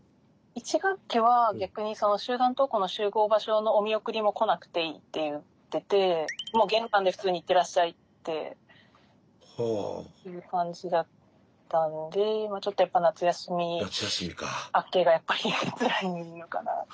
１学期は逆に集団登校の集合場所のお見送りも来なくていいって言っててもう玄関で普通にいってらっしゃいっていう感じだったのでちょっとやっぱ夏休み明けがやっぱりつらいのかな。